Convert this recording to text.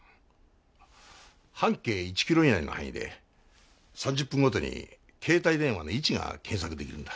半径１キロ以内の範囲で３０分ごとに携帯電話の位置が検索できるんだ。